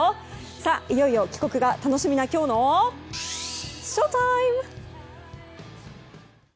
さあ、いよいよ帰国が楽しみなきょうのＳＨＯＴＩＭＥ！